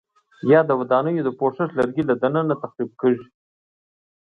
یا د ودانیو د پوښښ لرګي له دننه لوري تخریب کېږي؟